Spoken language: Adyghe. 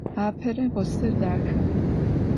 Апэрэ осыр дахэ.